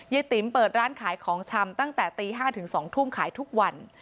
ติ๋มเปิดร้านขายของชำตั้งแต่ตี๕ถึง๒ทุ่มขายทุกวัน